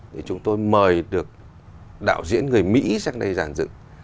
thì chúng tôi mời được đạo diễn người mỹ sang đây giàn dựng